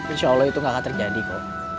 insya allah itu enggak akan terjadi ko